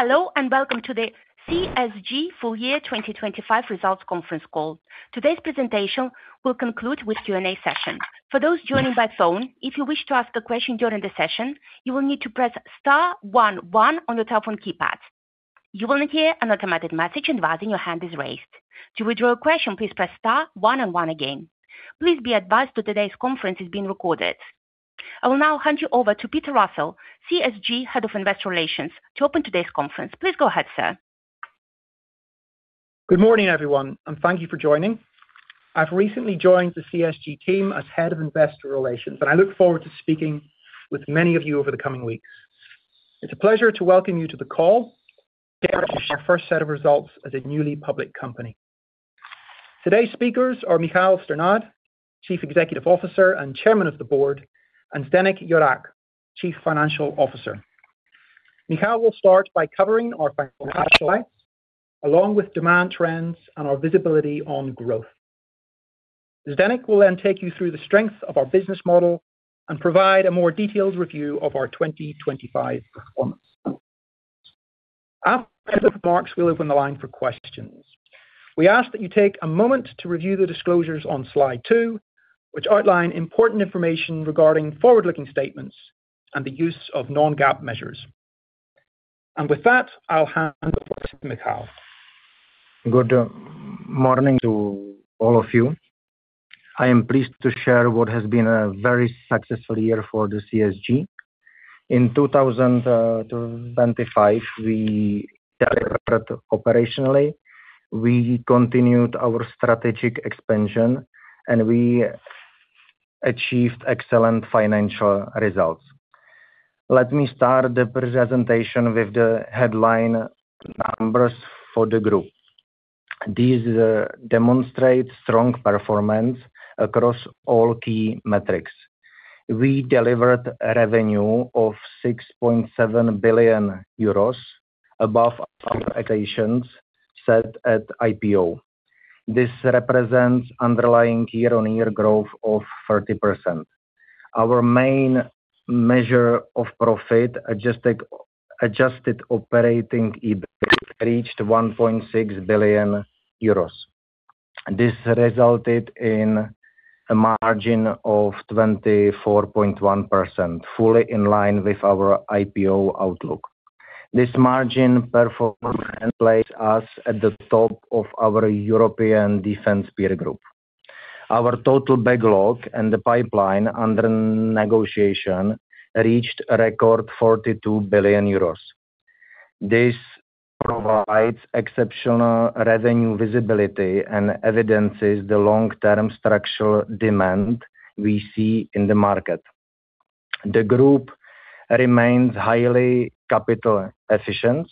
Hello and welcome to the CSG full year 2025 results conference call. Today's presentation will conclude with Q&A session. For those joining by phone, if you wish to ask a question during the session, you will need to press star one one on your telephone keypad. You will hear an automatic message advising your hand is raised. To withdraw your question, please press star one and one again. Please be advised that today's conference is being recorded. I will now hand you over to Peter Russell, CSG Head of Investor Relations, to open today's conference. Please go ahead, sir. Good morning, everyone, and thank you for joining. I've recently joined the CSG team as Head of Investor Relations, and I look forward to speaking with many of you over the coming weeks. It's a pleasure to welcome you to the call to share our first set of results as a newly public company. Today's speakers are Michal Strnad, Chief Executive Officer and Chairman of the Board, and Zdeněk Jurák, Chief Financial Officer. Michal will start by covering our financial highlights along with demand trends and our visibility on growth. Zdeněk will then take you through the strength of our business model and provide a more detailed review of our 2025 performance. After the remarks, we'll open the line for questions. We ask that you take a moment to review the disclosures on slide two, which outline important information regarding forward-looking statements and the use of non-GAAP measures. With that, I'll hand over to Michal. Good morning to all of you. I am pleased to share what has been a very successful year for the CSG. In 2025, we delivered operationally, we continued our strategic expansion, and we achieved excellent financial results. Let me start the presentation with the headline numbers for the group. These demonstrate strong performance across all key metrics. We delivered revenue of 6.7 billion euros above our expectations set at IPO. This represents underlying year-on-year growth of 30%. Our main measure of profit, adjusted operating EBITDA, reached 1.6 billion euros. This resulted in a margin of 24.1%, fully in line with our IPO outlook. This margin performance places us at the top of our European defense peer group. Our total backlog and the pipeline under negotiation reached a record 42 billion euros. This provides exceptional revenue visibility and evidences the long-term structural demand we see in the market. The group remains highly capital efficient.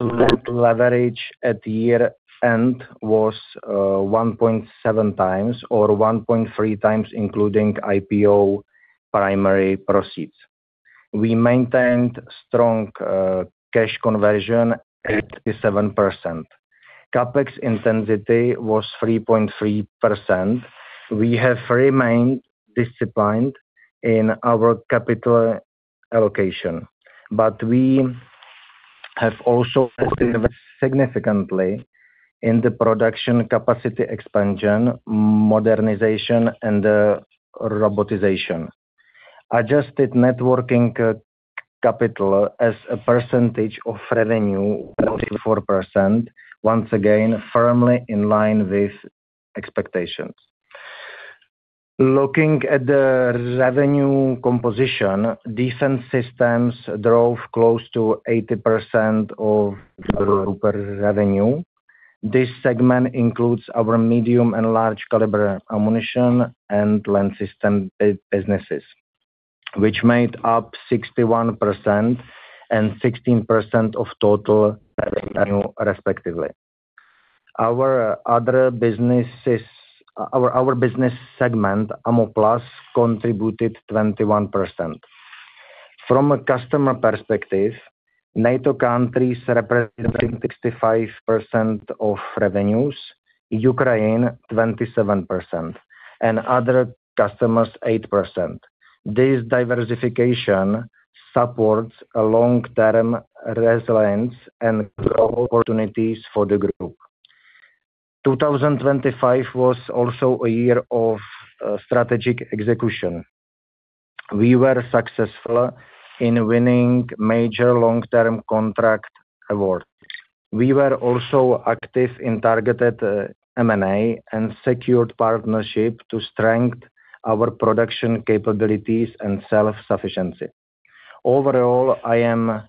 Net leverage at year-end was 1.7 times or 1.3 times including IPO primary proceeds. We maintained strong cash conversion at 7%. CapEx intensity was 3.3%. We have remained disciplined in our capital allocation, but we have also invested significantly in the production capacity expansion, modernization, and robotization. Adjusted net working capital as a percentage of revenue, 44%, once again, firmly in line with expectations. Looking at the revenue composition, Defence Systems drove close to 80% of the group revenue. This segment includes our medium and large caliber ammunition and Land Systems businesses, which made up 61% and 16% of total revenue, respectively. Our business segment, Ammo+, contributed 21%. From a customer perspective, NATO countries representing 65% of revenues, Ukraine 27%, and other customers 8%. This diversification supports a long-term resilience and growth opportunities for the group. 2025 was also a year of strategic execution. We were successful in winning major long-term contract awards. We were also active in targeted M&A and secured partnerships to strengthen our production capabilities and self-sufficiency. Overall, I am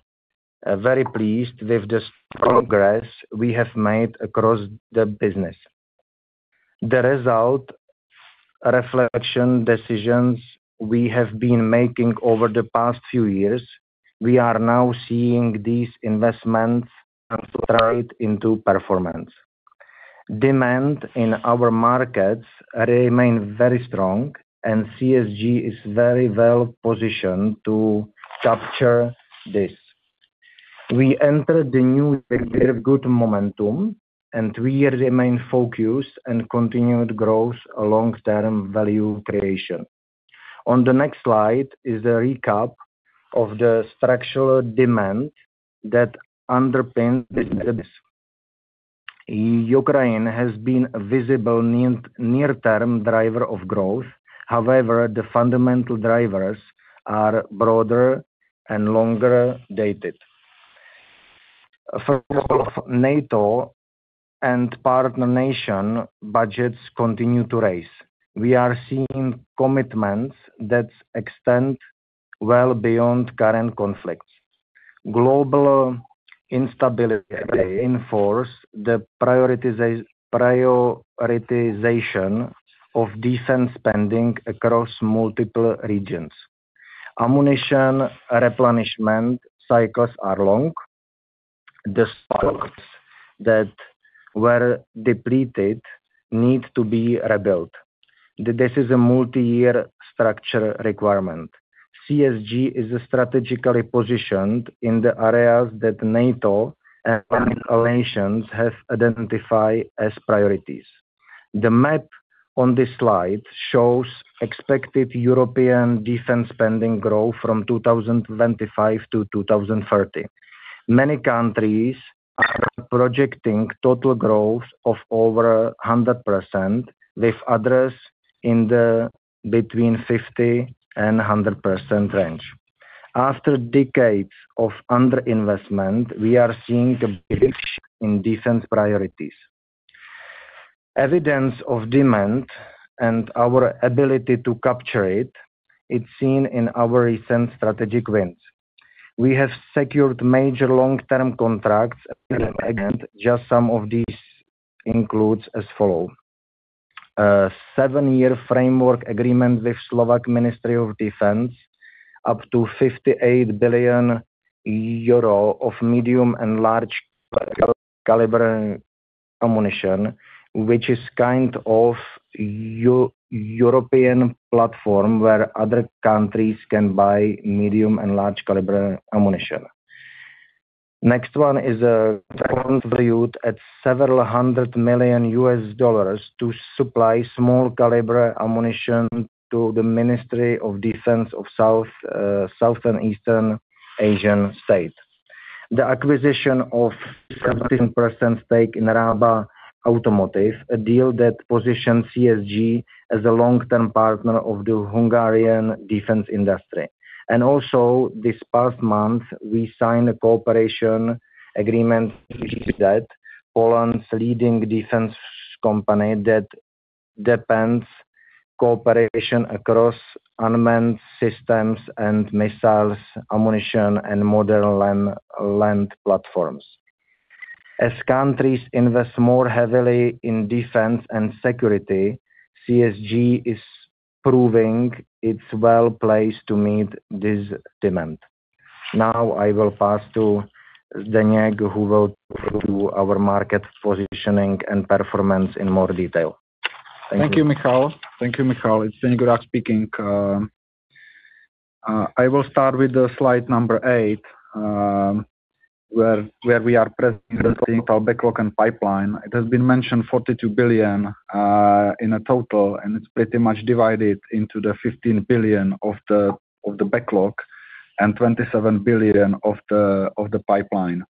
very pleased with this progress we have made across the business. The results reflect decisions we have been making over the past few years. We are now seeing these investments translate into performance. Demand in our markets remains very strong and CSG is very well-positioned to capture this. We enter the new year with good momentum and we remain focused on continued growth and long-term value creation. On the next slide is a recap of the structural demand that underpins the business. Ukraine has been a visible near-term driver of growth. However, the fundamental drivers are broader and longer-dated. First of all, NATO and partner nation budgets continue to rise. We are seeing commitments that extend well beyond current conflicts. Global instability reinforces the prioritization of defense spending across multiple regions. Ammunition replenishment cycles are long. The stocks that were depleted need to be rebuilt. This is a multi-year structural requirement. CSG is strategically positioned in the areas that NATO and partner nations have identified as priorities. The map on this slide shows expected European defense spending growth from 2025 to 2030. Many countries are projecting total growth of over 100%, with others in the between 50% and 100% range. After decades of underinvestment, we are seeing a big shift in defense priorities. Evidence of demand and our ability to capture it is seen in our recent strategic wins. We have secured major long-term contracts and just some of these include as follows. Seven-year framework agreement with Slovak Ministry of Defense, up to 58 billion euro of medium and large caliber ammunition, which is kind of European platform where other countries can buy medium and large caliber ammunition. Next one is a contract valued at several hundred million USD to supply small caliber ammunition to the Ministry of Defense of Southeast Asian state. The acquisition of 17% stake in Rába Automotive, a deal that positions CSG as a long-term partner of the Hungarian defense industry. This past month, we signed a cooperation agreement with Poland's leading defense company that deepens cooperation across unmanned systems and missiles, ammunition and modern land platforms. As countries invest more heavily in defense and security, CSG is proving it's well-placed to meet this demand. Now I will pass to Zdeněk, who will go through our market positioning and performance in more detail. Thank you. Thank you, Michal. It's Zdeněk speaking. I will start with the slide number eight, where we are presenting our backlog and pipeline. It has been mentioned 42 billion in a total, and it's pretty much divided into the 15 billion of the backlog and 27 billion of the pipeline.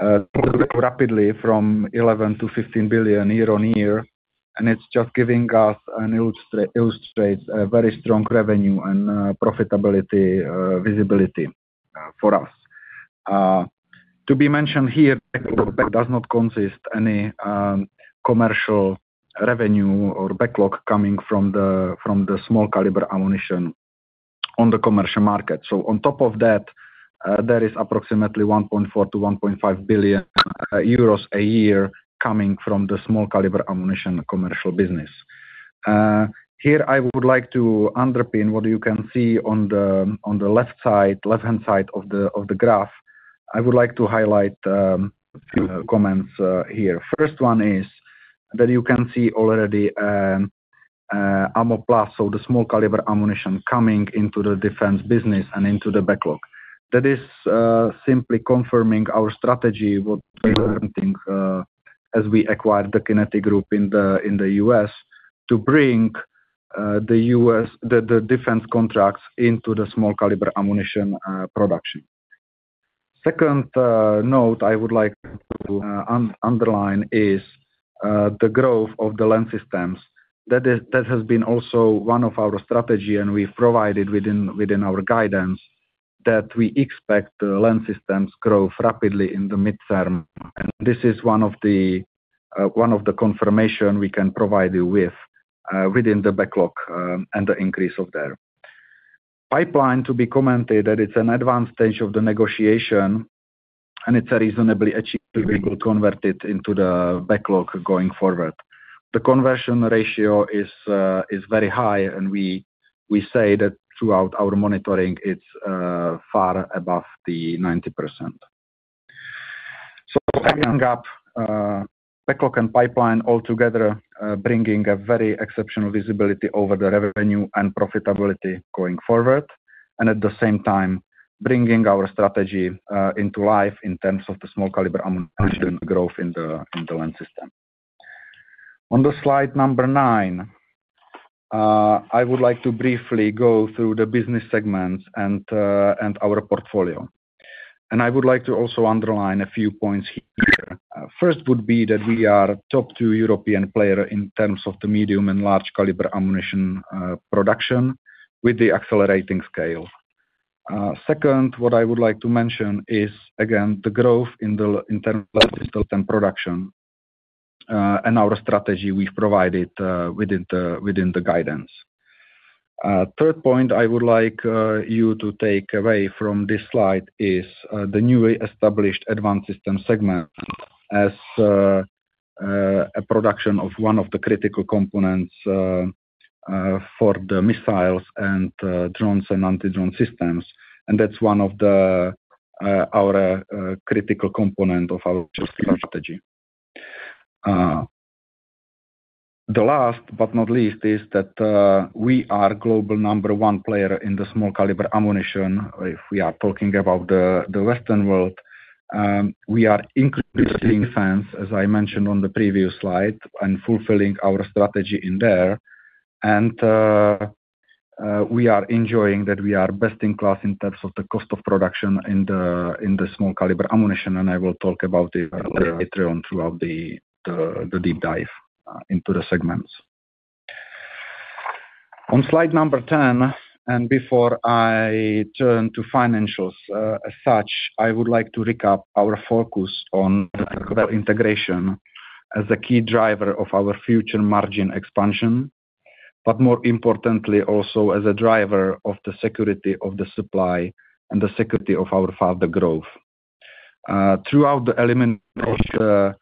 It's growing rapidly from 11 billion to 15 billion year-on-year, and it's just giving us and illustrates a very strong revenue and profitability visibility for us. To be mentioned here, backlog does not consist any commercial revenue or backlog coming from the small caliber ammunition on the commercial market. So on top of that, there is approximately 1.4 billion-1.5 billion euros a year coming from the small caliber ammunition commercial business. Here I would like to underpin what you can see on the left-hand side of the graph. I would like to highlight a few comments here. First one is that you can see already Ammo+, so the small caliber ammunition coming into the defense business and into the backlog. That is simply confirming our strategy, what we were thinking as we acquired the Kinetic Group in the U.S. to bring the defense contracts into the small caliber ammunition production. Second note I would like to underline is the growth of the Land Systems. That has been also one of our strategy, and we've provided within our guidance that we expect the Land Systems growth rapidly in the midterm. This is one of the confirmation we can provide you with within the backlog and the increase of their pipeline to be commented that it's an advanced stage of the negotiation and it's reasonably achievable to convert it into the backlog going forward. The conversion ratio is very high and we say that throughout our monitoring it's far above the 90%. Wrapping up backlog and pipeline all together bringing a very exceptional visibility over the revenue and profitability going forward, and at the same time, bringing our strategy into life in terms of the small caliber ammunition growth in the Land Systems. On the slide number nine, I would like to briefly go through the business segments and our portfolio. I would like to also underline a few points here. First would be that we are top two European player in terms of the medium and large caliber ammunition production with the accelerating scale. Second, what I would like to mention is again the growth in terms of systems and production and our strategy we've provided within the guidance. Third point I would like you to take away from this slide is the newly established Advanced Systems segment as a production of one of the critical components for the missiles and drones and anti-drone systems. That's one of our critical component of our strategy. The last but not least is that we are global number one player in the small caliber ammunition. If we are talking about the Western world, we are increasing defense, as I mentioned on the previous slide, and fulfilling our strategy in there. We are enjoying that we are best in class in terms of the cost of production in the small caliber ammunition, and I will talk about it later on throughout the deep dive into the segments. On slide number 10, and before I turn to financials, as such, I would like to recap our focus on vertical integration as the key driver of our future margin expansion, but more importantly also as a driver of the security of the supply and the security of our further growth. Throughout the elements of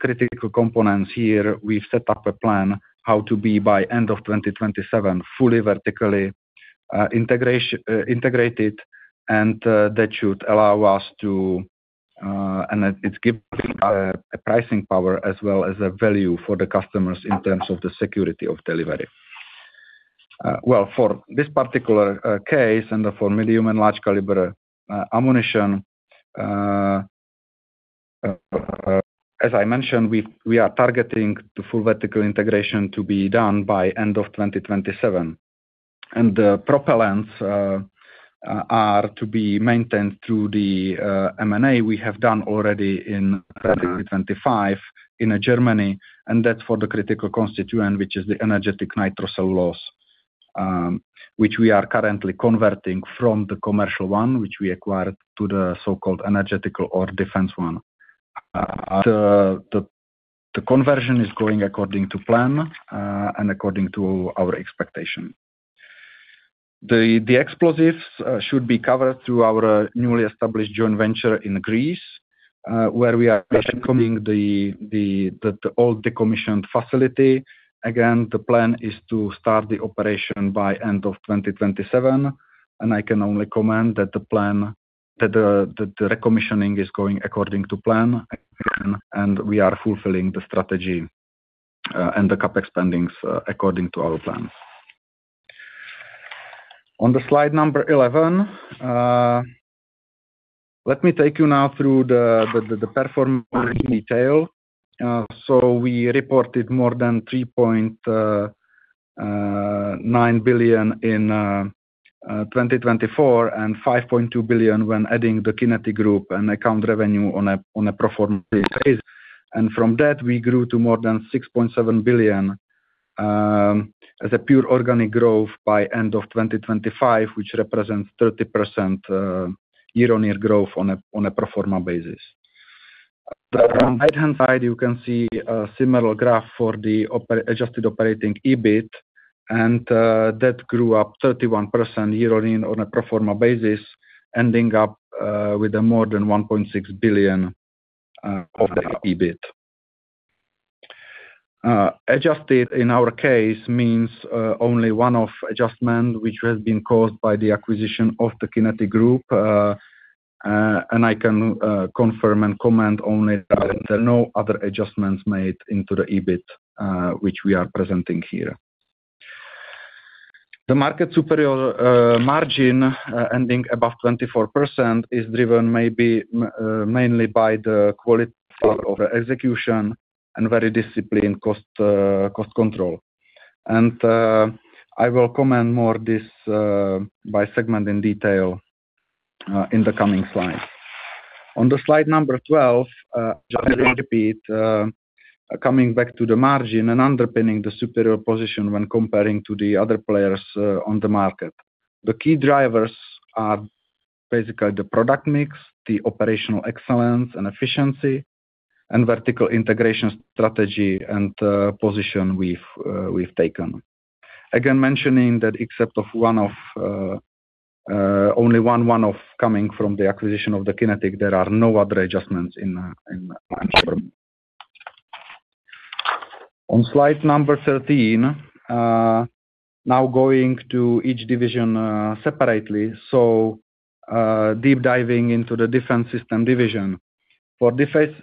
critical components here, we've set up a plan how to be by end of 2027 fully vertically integrated, and that should allow us to, and it's giving us a pricing power as well as a value for the customers in terms of the security of delivery. Well, for this particular case and for medium and large caliber ammunition, as I mentioned, we are targeting the full vertical integration to be done by end of 2027. The propellants are to be maintained through the M&A we have done already in 2025 in Germany, and that's for the critical constituent, which is the energetic nitrocellulose, which we are currently converting from the commercial one, which we acquired to the so-called energetic or defense one. The conversion is going according to plan and according to our expectation. The explosives should be covered through our newly established joint venture in Greece, where we are commissioning the old decommissioned facility. Again, the plan is to start the operation by end of 2027, and I can only comment that the recommissioning is going according to plan, and we are fulfilling the strategy and the CapEx spendings according to our plans. On the slide number 11, let me take you now through the pro forma in detail. So we reported more than 3.9 billion in 2024 and 5.2 billion when adding the Kinetic Group and account revenue on a pro forma basis. From that, we grew to more than 6.7 billion as a pure organic growth by end of 2025, which represents 30% year-on-year growth on a pro forma basis. The right-hand side you can see a similar graph for the adjusted operating EBIT and that grew up 31% year-on-year on a pro forma basis, ending up with a more than 1.6 billion of the EBIT. Adjusted in our case means only one adjustment which has been caused by the acquisition of the Kinetic Group and I can confirm and comment only that there are no other adjustments made into the EBIT which we are presenting here. The market superior margin ending above 24% is driven mainly by the quality of execution and very disciplined cost control. I will comment more on this by segment in detail in the coming slides. On slide number 12, just to repeat, coming back to the margin and underpinning the superior position when comparing to the other players on the market. The key drivers are basically the product mix, the operational excellence and efficiency, and vertical integration strategy and position we've taken. Again, mentioning that except for one, only one coming from the acquisition of the Kinetic, there are no other adjustments in pro forma. On slide number 13, now going to each division separately. Deep diving into the defense system division. For defense,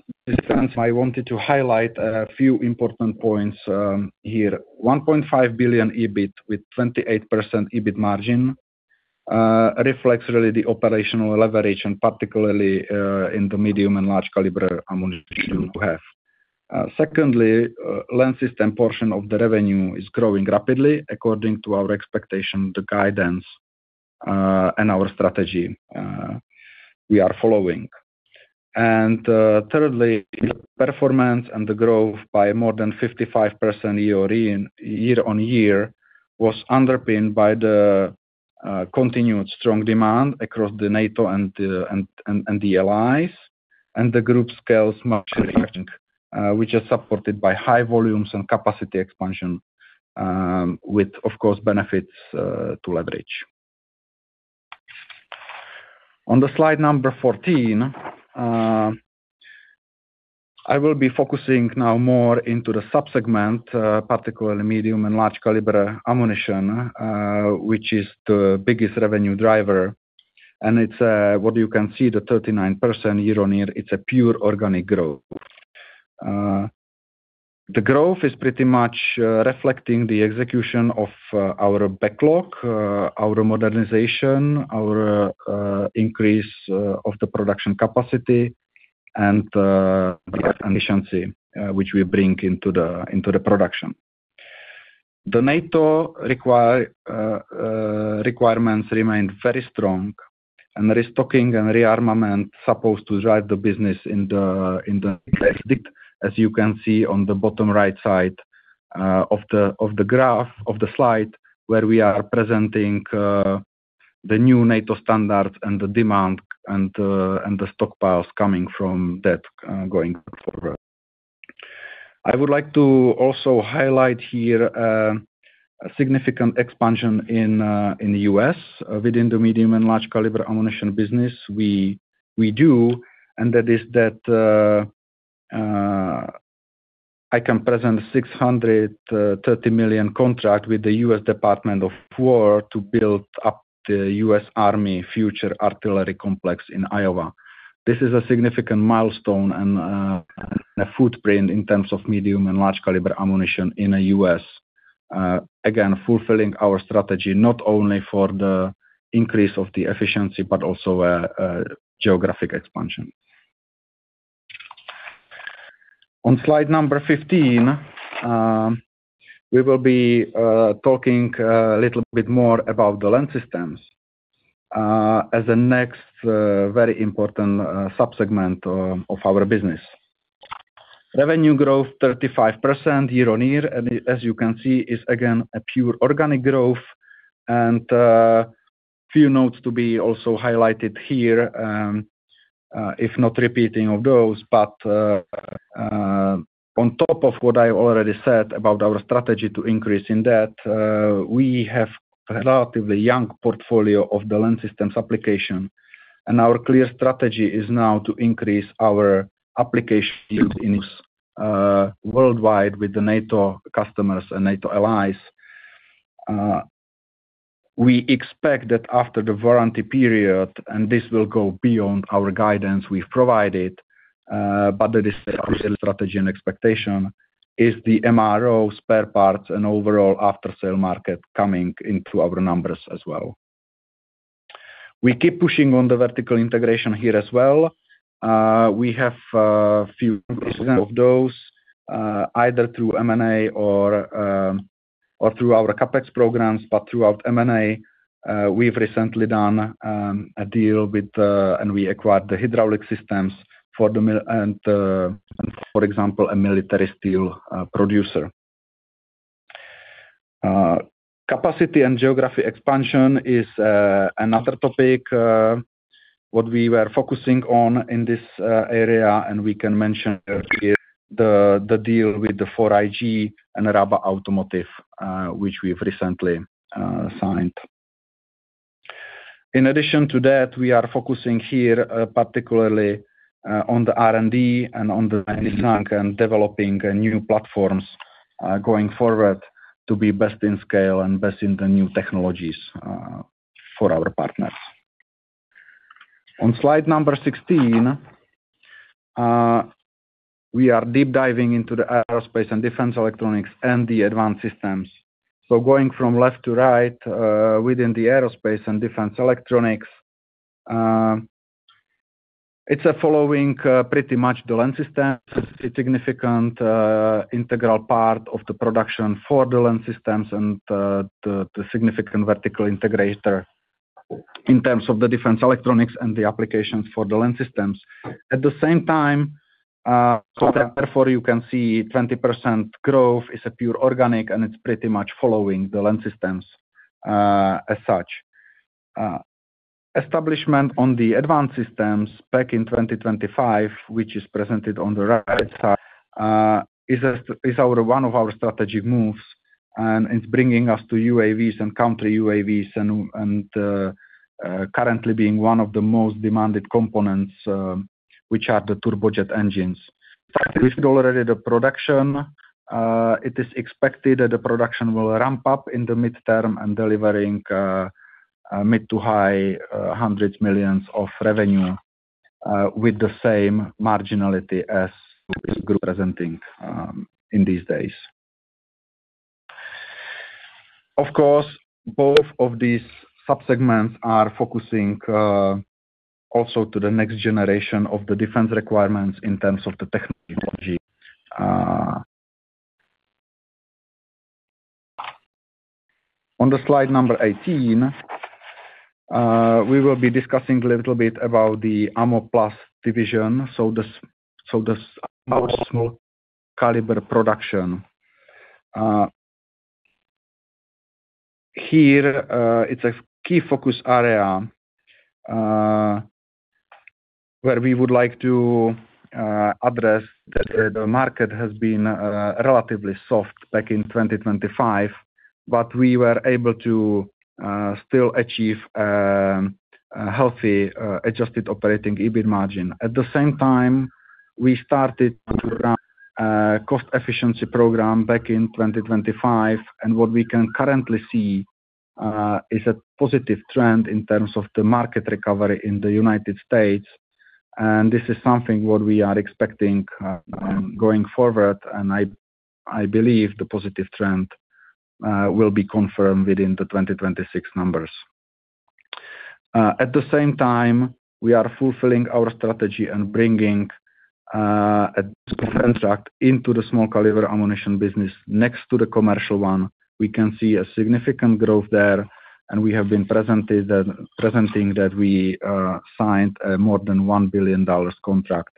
I wanted to highlight a few important points here. 1.5 billion EBIT with 28% EBIT margin reflects really the operational leverage, and particularly, in the medium and large caliber ammunition we have. Secondly, Land Systems portion of the revenue is growing rapidly according to our expectation, the guidance, and our strategy we are following. Thirdly, performance and the growth by more than 55% year-on-year was underpinned by the continued strong demand across NATO and the allies and the group's scaled manufacturing, which is supported by high volumes and capacity expansion, with, of course, benefits to leverage. On the slide number 14, I will be focusing now more into the sub-segment, particularly medium and large caliber ammunition, which is the biggest revenue driver. It's what you can see, the 39% year-on-year, it's a pure organic growth. The growth is pretty much reflecting the execution of our backlog, our modernization, our increase of the production capacity and efficiency, which we bring into the production. The NATO requirements remain very strong, and restocking and rearmament supposed to drive the business, as you can see on the bottom right side of the graph of the slide, where we are presenting the new NATO standards and the demand and the stockpiles coming from that going forward. I would like to also highlight here a significant expansion in the U.S. within the medium and large caliber ammunition business we do, and that is that I can present $630 million contract with the U.S. Department of War to build up the U.S. Army Future Artillery Complex in Iowa. This is a significant milestone and a footprint in terms of medium and large caliber ammunition in the U.S. Again, fulfilling our strategy, not only for the increase of the efficiency, but also geographic expansion. On slide number 15, we will be talking a little bit more about the Land Systems as the next very important sub-segment of our business. Revenue growth 35% year-over-year, and as you can see, is again a pure organic growth. Few notes to be also highlighted here, if not repeating those. On top of what I already said about our strategy to increase in that, we have a relatively young portfolio of the Land Systems application. Our clear strategy is now to increase our application use worldwide with the NATO customers and NATO allies. We expect that after the warranty period, and this will go beyond our guidance we've provided, but that is still our strategy and expectation, is the MRO spare parts and overall after-sale market coming into our numbers as well. We keep pushing on the vertical integration here as well. We have a few of those, either through M&A or through our CapEx programs. Throughout M&A, we've recently done a deal and we acquired the hydraulic systems, for example, a military steel producer. Capacity and geography expansion is another topic that we were focusing on in this area, and we can mention here the deal with the 4iG and Rába Automotive, which we've recently signed. In addition to that, we are focusing here particularly on the R&D and developing new platforms going forward to be best in scale and best in the new technologies for our partners. On slide number 16, we are deep diving into the Aerospace & Defence Electronics and the Advanced Systems. Going from left to right, within the Aerospace & Defence Electronics, it's following pretty much the Land Systems, a significant integral part of the production for the Land Systems and the significant vertical integrator in terms of the defence electronics and the applications for the Land Systems. At the same time, therefore you can see 20% growth is purely organic, and it's pretty much following the Land Systems as such. Establishment of the Advanced Systems back in 2025, which is presented on the right side, is one of our strategic moves, and it's bringing us to UAVs and counter-UAVs and currently being one of the most demanded components, which are the turbojet engines. It is expected that the production will ramp up in the midterm and delivering mid- to high hundreds of millions EUR in revenue, with the same marginality as presenting in these days. Of course, both of these subsegments are focusing also to the next generation of the defense requirements in terms of the technology. On the slide number 18, we will be discussing a little bit about the Ammo+ division, so the small caliber production. Here, it's a key focus area, where we would like to address that the market has been relatively soft back in 2025, but we were able to still achieve a healthy Adjusted Operating EBIT margin. At the same time, we started to run a cost efficiency program back in 2025, and what we can currently see is a positive trend in terms of the market recovery in the United States. This is something what we are expecting going forward, and I believe the positive trend will be confirmed within the 2026 numbers. At the same time, we are fulfilling our strategy and bringing a defense act into the small caliber ammunition business next to the commercial one. We can see a significant growth there, and we are presenting that we signed more than $1 billion contract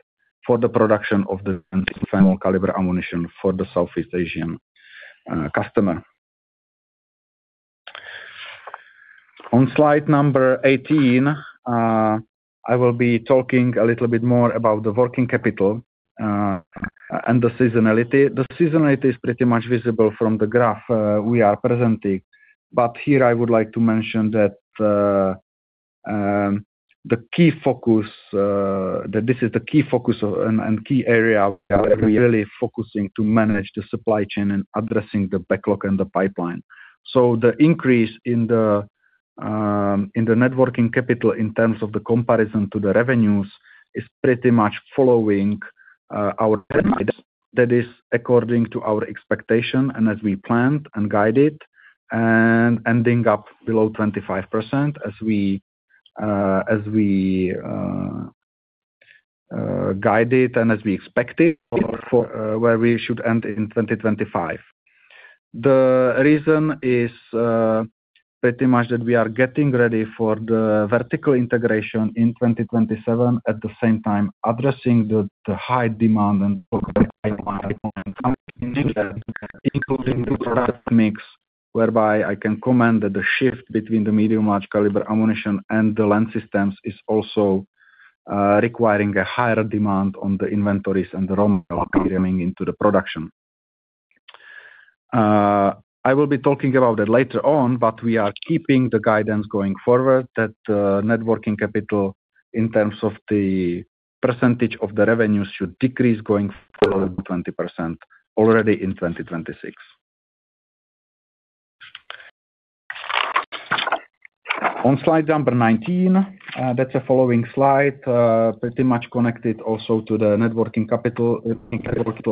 for the production of the small caliber ammunition for the Southeast Asian customer. On slide number 18, I will be talking a little bit more about the working capital and the seasonality. The seasonality is pretty much visible from the graph we are presenting. Here I would like to mention that this is the key focus and key area where we are really focusing to manage the supply chain and addressing the backlog and the pipeline. The increase in the net working capital in terms of the comparison to the revenues is pretty much following our guidelines. That is according to our expectation and as we planned and guided and ending up below 25% as we guided and as we expected for where we should end in 2025. The reason is pretty much that we are getting ready for the vertical integration in 2027. At the same time addressing the high demand and including new product mix, whereby I can comment that the shift between the medium- and large-caliber ammunition and the Land Systems is also requiring a higher demand on the inventories and the raw material coming into the production. I will be talking about that later on, but we are keeping the guidance going forward that net working capital in terms of the percentage of the revenue should decrease going below 20% already in 2026. On slide number 19, that's a following slide pretty much connected also to the net working capital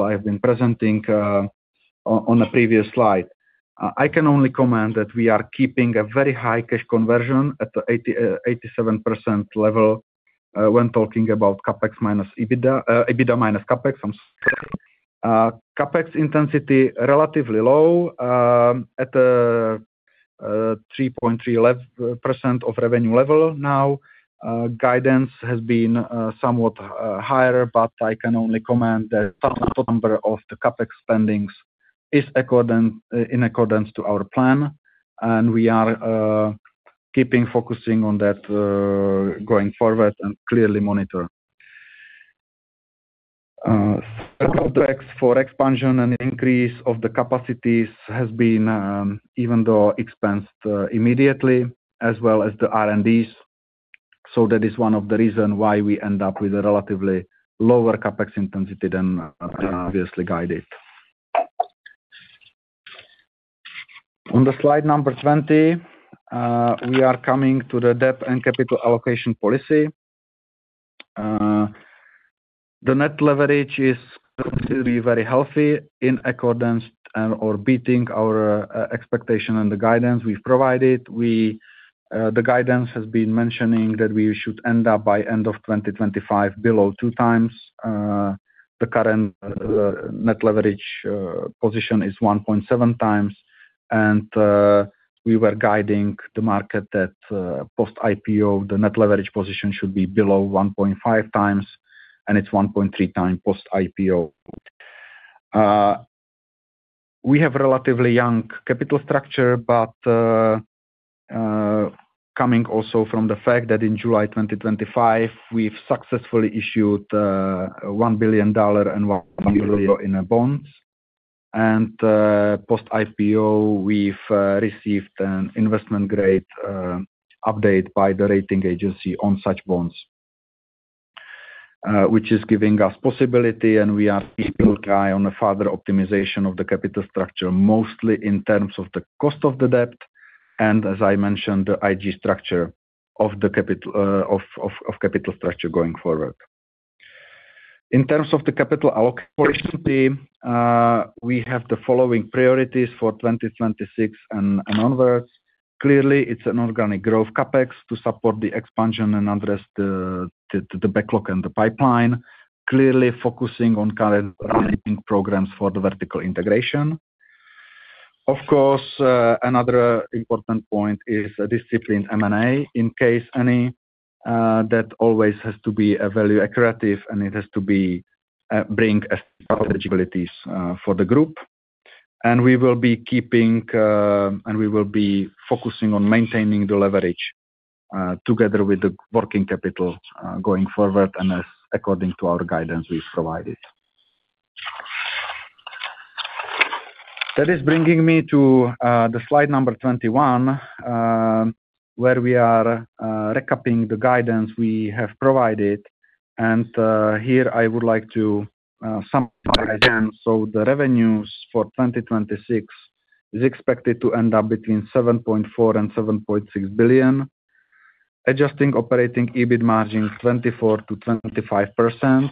I have been presenting on the previous slide. I can only comment that we are keeping a very high cash conversion at 87% level when talking about EBITDA minus CapEx, I'm sorry. CapEx intensity relatively low at 3.3% of revenue level now. Guidance has been somewhat higher, but I can only comment that number of the CapEx spendings is in accordance to our plan, and we are keeping focusing on that going forward and clearly monitor. Contracts for expansion and increase of the capacities has been even though expensed immediately as well as the R&D. That is one of the reason why we end up with a relatively lower CapEx intensity than previously guided. On the slide 20, we are coming to the debt and capital allocation policy. The net leverage is still very healthy in accordance with or beating our expectation and the guidance we've provided. The guidance has been mentioning that we should end up by end of 2025 below 2x. The current net leverage position is 1.7x. We were guiding the market that, post IPO, the net leverage position should be below 1.5x, and it's 1.3x post IPO. We have relatively young capital structure, but coming also from the fact that in July 2025, we've successfully issued €1 billion in bonds. Post IPO, we've received an investment grade update by the rating agency on such bonds, which is giving us possibility and we are keeping eye on a further optimization of the capital structure, mostly in terms of the cost of the debt and as I mentioned, the IG structure of the capital structure going forward. In terms of the capital allocation team, we have the following priorities for 2026 and onwards. Clearly, it's an organic growth CapEx to support the expansion and address the backlog and the pipeline, clearly focusing on current running programs for the vertical integration. Of course, another important point is a disciplined M&A, in case any that always has to be a value accretive, and it has to bring synergies for the group. We will be focusing on maintaining the leverage together with the working capital going forward and as according to our guidance we've provided. That is bringing me to the slide number 21, where we are recapping the guidance we have provided. Here I would like to summarize again. The revenues for 2026 is expected to end up between 7.4 billion and 7.6 billion. Adjusted Operating EBIT margin 24%-25%.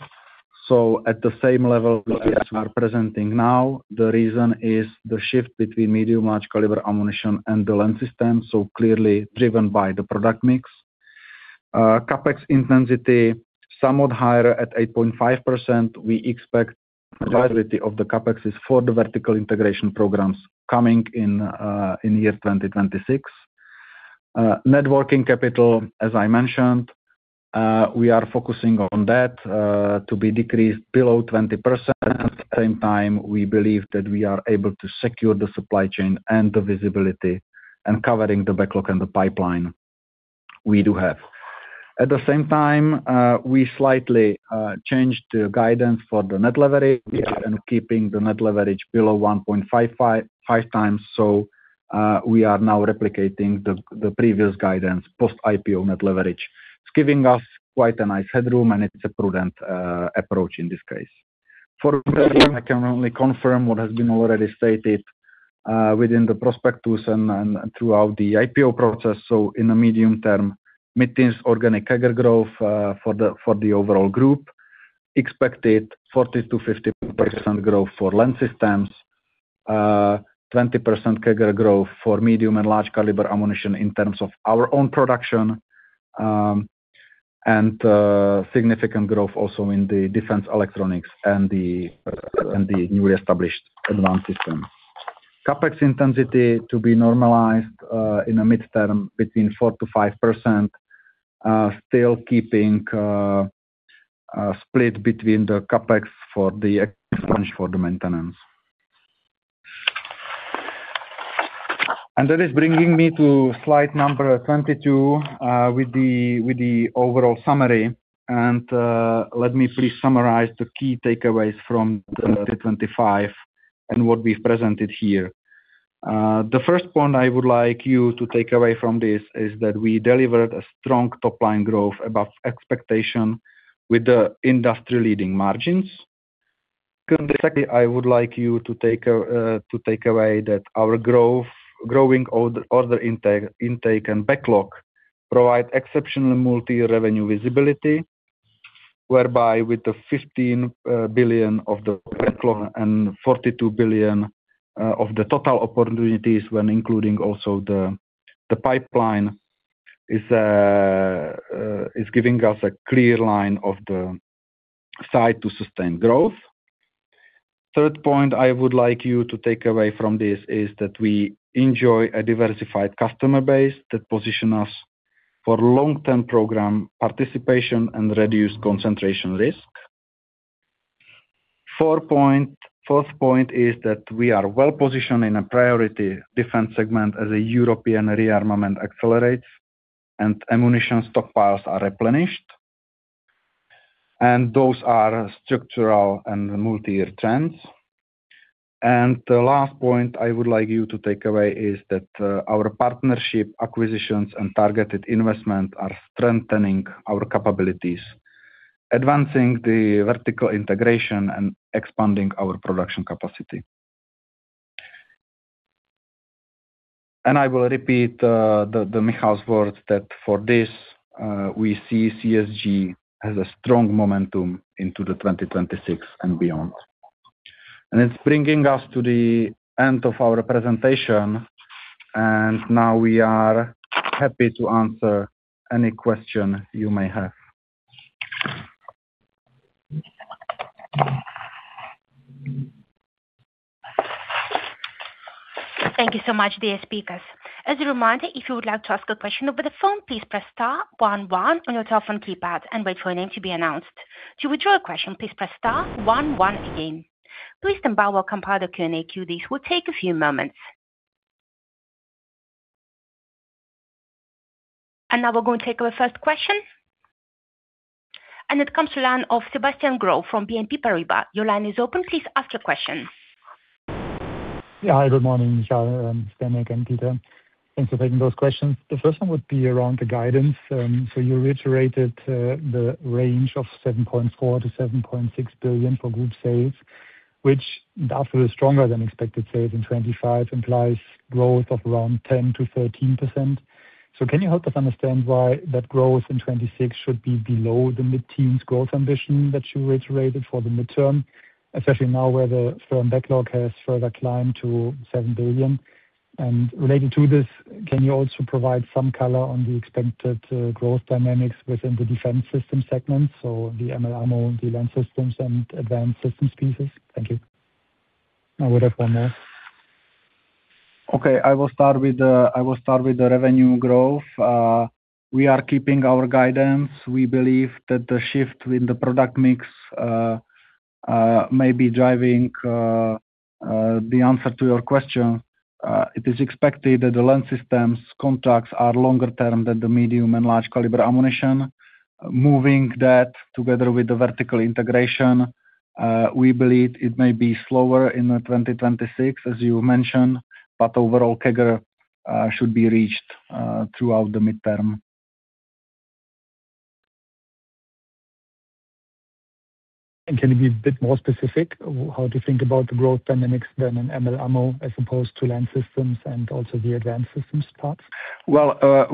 At the same level we are presenting now, the reason is the shift between medium large caliber ammunition and the land system, so clearly driven by the product mix. CapEx intensity somewhat higher at 8.5%. We expect the majority of the CapEx is for the vertical integration programs coming in in year 2026. Net working capital, as I mentioned, we are focusing on that to be decreased below 20%. At the same time, we believe that we are able to secure the supply chain and the visibility and covering the backlog and the pipeline we do have. At the same time, we slightly changed the guidance for the net leverage. We are keeping the net leverage below 1.55 times. We are now replicating the previous guidance, post IPO net leverage. It's giving us quite a nice headroom, and it's a prudent approach in this case. For medium, I can only confirm what has been already stated within the prospectus and and throughout the IPO process. In the medium term, mid-teens organic CAGR growth for the overall group. Expected 40%-50% growth for Land Systems. 20% CAGR growth for medium and large caliber ammunition in terms of our own production. Significant growth also in the defense electronics and the newly established Advanced Systems. CapEx intensity to be normalized in the mid-term between 4%-5%, still keeping split between the CapEx for the expansion for the maintenance. That is bringing me to slide number 22 with the overall summary. Let me please summarize the key takeaways from 2025 and what we've presented here. The first point I would like you to take away from this is that we delivered a strong top-line growth above expectation with the industry-leading margins. Secondly, I would like you to take away that our growing order intake and backlog provide exceptional multi-revenue visibility, whereby with the 15 billion of the backlog and 42 billion of the total opportunities when including also the pipeline is giving us a clear line of sight to sustain growth. The third point I would like you to take away from this is that we enjoy a diversified customer base that position us for long-term program participation and reduced concentration risk. Fourth point is that we are well-positioned in a priority defense segment as a European rearmament accelerates and ammunition stockpiles are replenished, and those are structural and multi-year trends. The last point I would like you to take away is that our partnership acquisitions and targeted investment are strengthening our capabilities, advancing the vertical integration and expanding our production capacity. I will repeat the Michal's words that for this we see CSG has a strong momentum into 2026 and beyond. It's bringing us to the end of our presentation, and now we are happy to answer any question you may have. Thank you so much, dear speakers. As a reminder, if you would like to ask a question over the phone, please press star one one on your telephone keypad and wait for your name to be announced. To withdraw your question, please press star one one again. Please stand by while we compile the Q&A queue. This will take a few moments. Now we're going to take our first question. It comes from the line of Sebastian Growe from BNP Paribas. Your line is open. Please ask your question. Yeah. Hi. Good morning, Charles, Strnad, and Peter. Thanks for taking those questions. The first one would be around the guidance. You reiterated the range of 7.4 billion-7.6 billion for group sales. With the output stronger than expected sales in 2025 implies growth of around 10%-13%. Can you help us understand why that growth in 2026 should be below the mid-teens growth ambition that you reiterated for the midterm, especially now where the firm backlog has further climbed to €7 billion? Related to this, can you also provide some color on the expected growth dynamics within the Defence Systems segment, so the medium & large calibre ammunition, the Land Systems and Advanced Systems pieces? Thank you. I would have one more. Okay. I will start with the revenue growth. We are keeping our guidance. We believe that the shift in the product mix may be driving the answer to your question. It is expected that the Land Systems contracts are longer term than the medium and large caliber ammunition. Moving that together with the vertical integration, we believe it may be slower in 2026, as you mentioned, but overall CAGR should be reached throughout the midterm. Can you be a bit more specific? How do you think about the growth dynamics then in M&L ammo as opposed to Land Systems and also the Advanced Systems parts? As I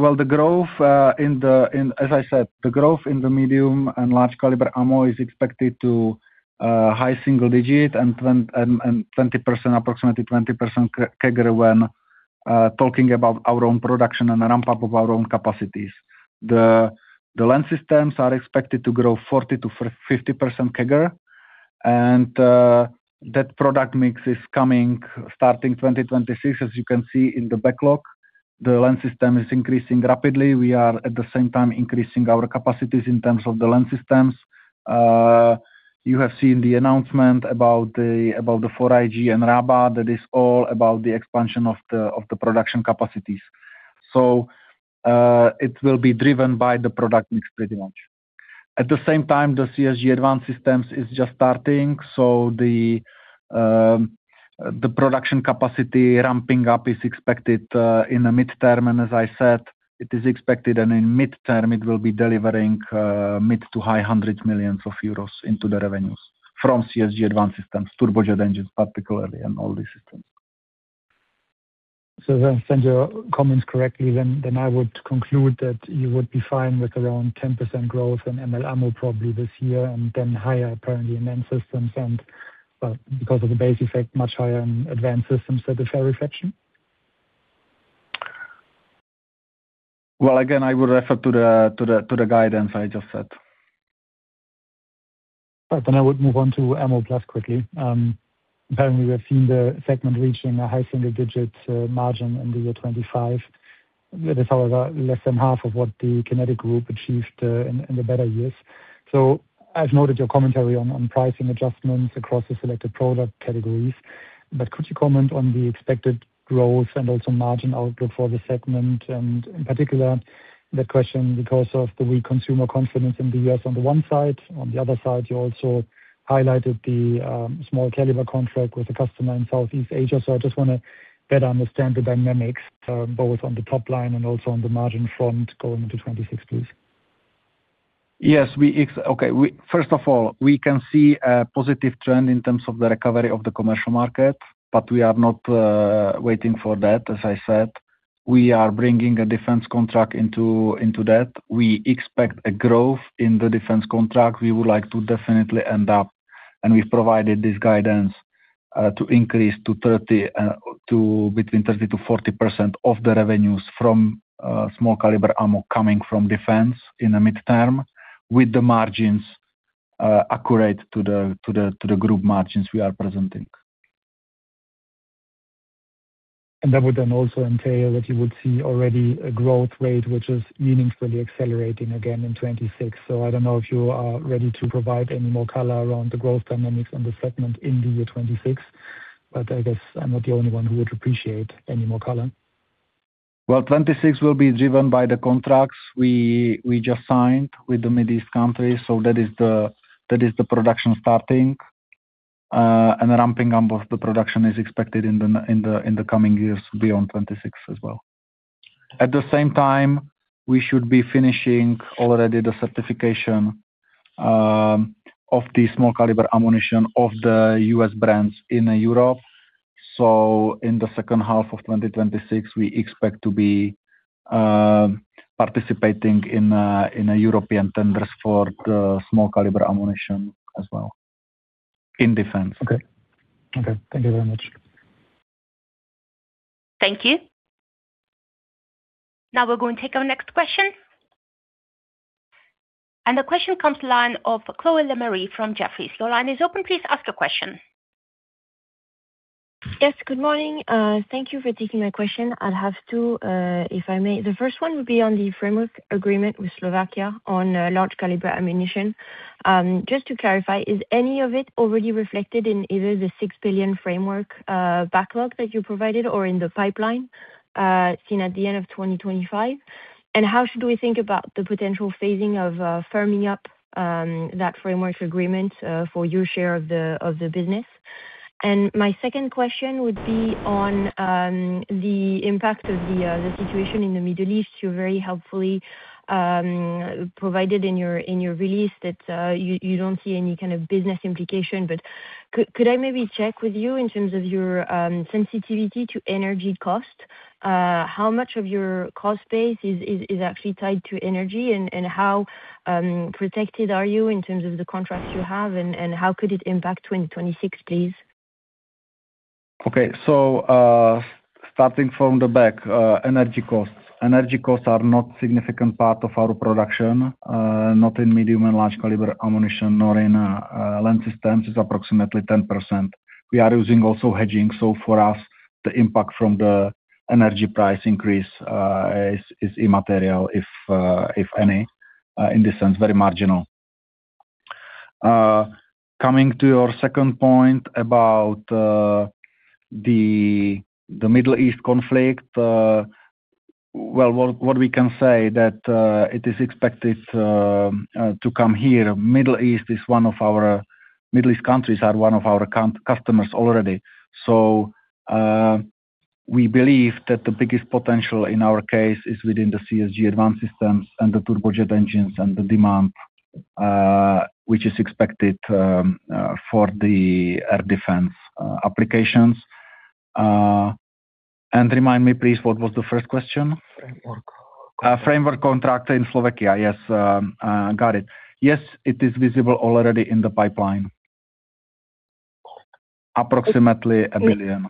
said, the growth in the medium and large caliber ammo is expected to high single-digit and 20%, approximately 20% CAGR when talking about our own production and a ramp up of our own capacities. The Land Systems are expected to grow 40%-50% CAGR, and that product mix is coming starting 2026. As you can see in the backlog, the Land Systems is increasing rapidly. We are at the same time increasing our capacities in terms of the Land Systems. You have seen the announcement about the expansion of the production capacities. It will be driven by the product mix pretty much. At the same time, the CSG Advanced Systems is just starting, so the production capacity ramping up is expected in the midterm, and as I said, it is expected and in midterm it will be delivering mid- to high 100 millions euros into the revenues from CSG Advanced Systems, turbojet engines particularly and all these systems. If I understand your comments correctly, then I would conclude that you would be fine with around 10% growth in ML ammo probably this year and then higher apparently in land systems and, well, because of the base effect, much higher in advanced systems. Is that a fair reflection? Well, again, I would refer to the guidance I just said. Right. I would move on to Ammo+ quickly. Apparently we have seen the segment reaching a high single-digit margin in 2025. That is however less than half of what The Kinetic Group achieved in the better years. I've noted your commentary on pricing adjustments across the selected product categories, but could you comment on the expected growth and also margin outlook for the segment and in particular the question because of the weak consumer confidence in the U.S. on the one side. On the other side, you also highlighted the small caliber contract with a customer in Southeast Asia. I just wanna better understand the dynamics both on the top line and also on the margin front going into 2026. Okay. First of all, we can see a positive trend in terms of the recovery of the commercial market, but we are not waiting for that, as I said. We are bringing a defense contract into that. We expect a growth in the defense contract. We would like to definitely end up, and we've provided this guidance, to increase to between 30%-40% of the revenues from small caliber ammo coming from defense in the midterm with the margins accurate to the group margins we are presenting. That would then also entail that you would see already a growth rate which is meaningfully accelerating again in 2026. I don't know if you are ready to provide any more color around the growth dynamics on the segment in the year 2026, but I guess I'm not the only one who would appreciate any more color. Well, 2026 will be driven by the contracts we just signed with the Middle East countries. That is the production starting and ramping up of the production is expected in the coming years beyond 2026 as well. At the same time, we should be finishing already the certification of the small caliber ammunition of the U.S. brands in Europe. In the second half of 2026, we expect to be participating in European tenders for the small caliber ammunition as well in defense. Okay. Thank you very much. Thank you. Now we're going to take our next question. The question comes from the line of Chloé Lemarié from Jefferies. Your line is open. Please ask your question. Yes, good morning. Thank you for taking my question. I'll have two, if I may. The first one would be on the framework agreement with Slovakia on large caliber ammunition. Just to clarify, is any of it already reflected in either the 6 billion framework backlog that you provided or in the pipeline seen at the end of 2025? And how should we think about the potential phasing of firming up that framework agreement for your share of the business? My second question would be on the impact of the situation in the Middle East. You very helpfully provided in your release that you don't see any kind of business implication. Could I maybe check with you in terms of your sensitivity to energy cost? How much of your cost base is actually tied to energy and how protected are you in terms of the contracts you have and how could it impact 2026, please? Okay, starting from the back, energy costs. Energy costs are not significant part of our production, not in Medium & Large Caliber Ammunition nor in Land Systems. It's approximately 10%. We are also using hedging. For us, the impact from the energy price increase is immaterial if any, in this sense, very marginal. Coming to your second point about the Middle East conflict. Well, what we can say that it is expected to come here. Middle East countries are one of our customers already. We believe that the biggest potential in our case is within the CSG Advanced Systems and the turbojet engines and the demand which is expected for the air defense applications. Remind me, please, what was the first question? Framework contract. A framework contract in Slovakia. Yes, got it. Yes, it is visible already in the pipeline. Approximately 1 billion.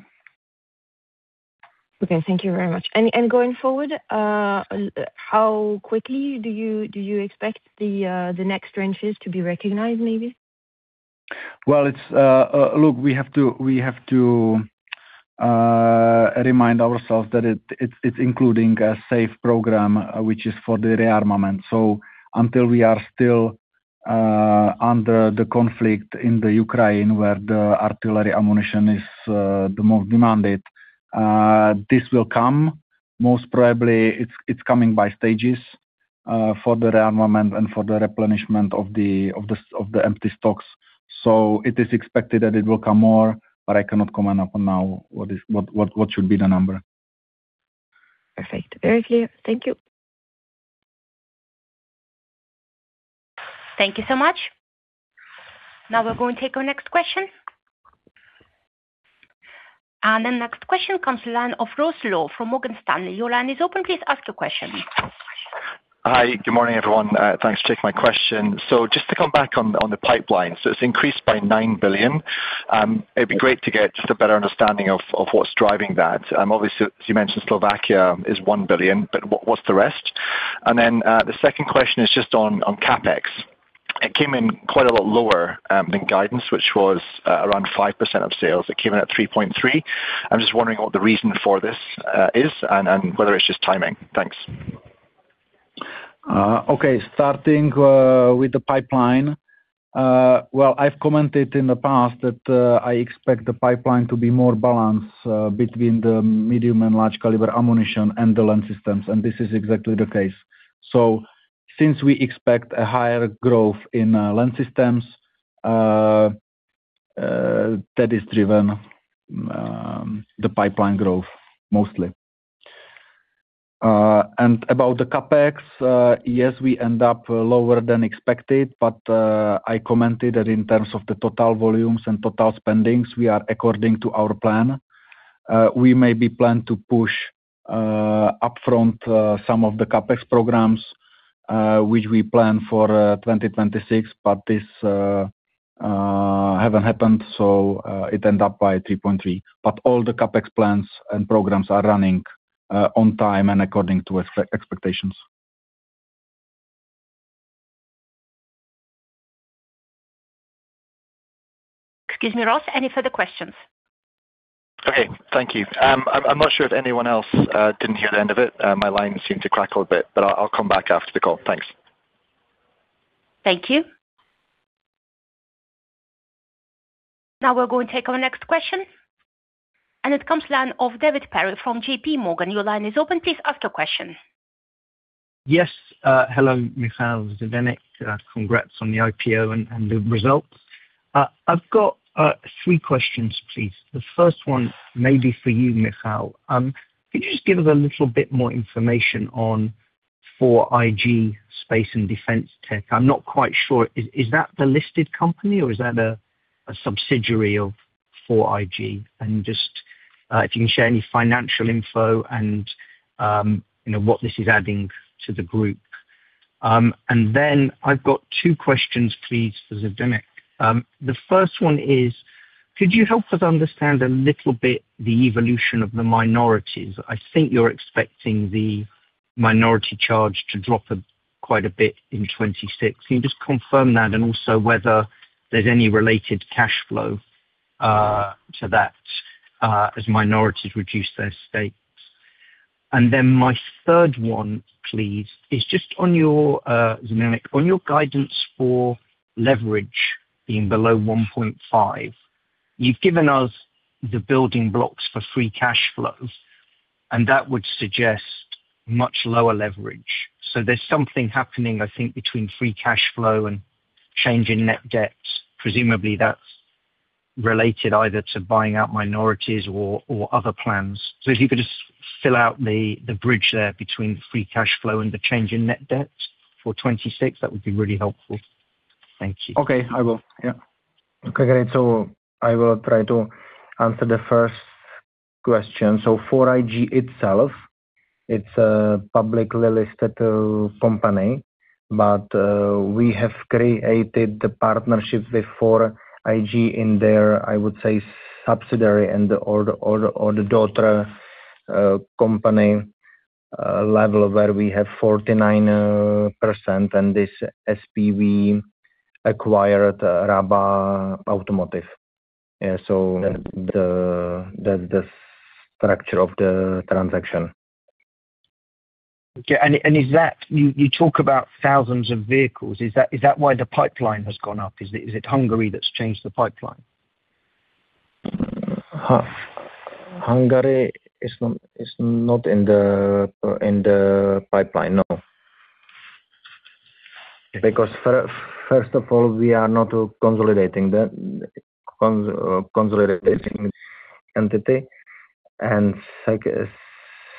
Okay, thank you very much. Going forward, how quickly do you expect the next tranches to be recognized, maybe? Well, look, we have to remind ourselves that it's including a SAFE program, which is for the rearmament. Until we are still under the conflict in the Ukraine, where the artillery ammunition is the most demanded, this will come. Most probably it's coming by stages for the rearmament and for the replenishment of the empty stocks. It is expected that it will come more, but I cannot comment upon now what should be the number. Perfect. Very clear. Thank you. Thank you so much. Now we're going to take our next question. The next question comes from the line of Ross Law from Morgan Stanley. Your line is open. Please ask the question. Hi. Good morning, everyone. Thanks for taking my question. Just to come back on the pipeline, it's increased by 9 billion. It'd be great to get just a better understanding of what's driving that. Obviously, as you mentioned, Slovakia is 1 billion, but what's the rest? The second question is just on CapEx. It came in quite a lot lower than guidance, which was around 5% of sales. It came in at 3.3%. I'm just wondering what the reason for this is and whether it's just timing. Thanks. Okay. Starting with the pipeline. Well, I've commented in the past that I expect the pipeline to be more balanced between the Medium and Large Caliber Ammunition and the Land Systems, and this is exactly the case. Since we expect a higher growth in Land Systems, that is driven the pipeline growth mostly. About the CapEx, yes, we end up lower than expected, but I commented that in terms of the total volumes and total spendings, we are according to our plan. We may be planned to push upfront some of the CapEx programs, which we plan for 2026, but this haven't happened, so it end up by 3.3. All the CapEx plans and programs are running on time and according to expectations. Excuse me, Ross, any further questions? Okay. Thank you. I'm not sure if anyone else didn't hear the end of it. My line seemed to crackle a bit, but I'll come back after the call. Thanks. Thank you. Now we're going to take our next question, and it comes from the line of David Perry from JPMorgan. Your line is open. Please ask your question. Yes. Hello, Michal, Zdeněk. Congrats on the IPO and the results. I've got three questions, please. The first one may be for you, Michal. Could you just give us a little bit more information on 4iG Space and Defence Technologies? I'm not quite sure. Is that the listed company or is that a subsidiary of 4iG? And just if you can share any financial info and you know what this is adding to the group. And then I've got two questions please for Zdeněk. The first one is could you help us understand a little bit the evolution of the minorities? I think you're expecting the minority charge to drop quite a bit in 2026. Can you just confirm that and also whether there's any related cash flow to that as minorities reduce their stakes? My third one please is just on your, Zdeněk, on your guidance for leverage being below 1.5. You've given us the building blocks for free cash flows. That would suggest much lower leverage. There's something happening, I think, between free cash flow and change in net debt. Presumably, that's related either to buying out minorities or other plans. If you could just fill out the bridge there between free cash flow and the change in net debt for 2026, that would be really helpful. Thank you. Okay, I will. Yeah. Okay, great. I will try to answer the first question. For 4iG itself, it's a publicly listed company, but we have created the partnerships with 4iG in their, I would say, subsidiary or daughter company level where we have 49% and this SPV acquired Rába Automotive. The structure of the transaction. Okay. You talk about thousands of vehicles. Is that why the pipeline has gone up? Is it Hungary that's changed the pipeline? Hungary is not in the pipeline, no. Because first of all, we are not the consolidating entity.